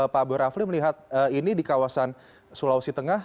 pak berafli melihat ini di kawasan sulawesi tengah